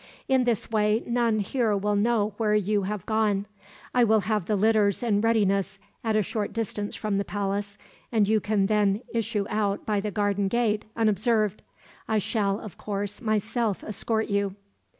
In this way none here will know where you have gone. I will have the litters in readiness at a short distance from the palace, and you can then issue out by the garden gate, unobserved. I shall, of course, myself escort you."